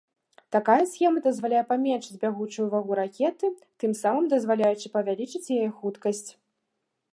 Такая схема дазваляе паменшыць бягучую вагу ракеты, тым самым дазваляючы павялічыць яе хуткасць.